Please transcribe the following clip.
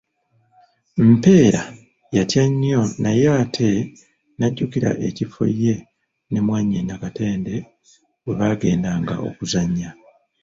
Mpeera yatya nnyo naye ate n'ajjukira ekifo ye ne mwannyina Katende we baagendanga okuzannya.